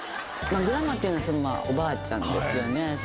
グランマっていうのはおばあちゃんですよね。